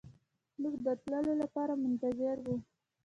موږ د تللو لپاره منتظر وو.